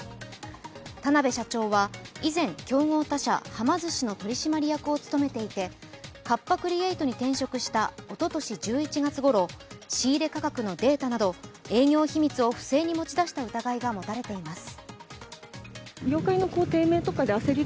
田辺社長は以前、競合他社はま寿司の取締役を務めていてカッパ・クリエイトに転職したおととし１１月ごろ、仕入れ価格のデータなど営業秘密を不正に持ち出した疑いが持たれています。